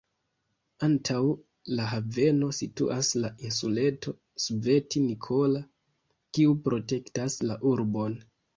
Antaŭ la haveno situas la insuleto "Sveti Nikola", kiu protektas la urbon.